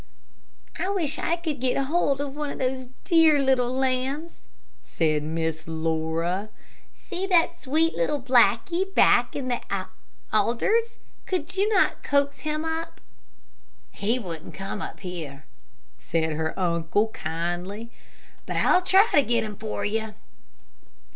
"I wish I could get hold of one of those dear little lambs," said Miss Laura. "See that sweet little blackie back in the alders. Could you not coax him up?" "He wouldn't come here," said her uncle, kindly; "but I'll try and get him for you."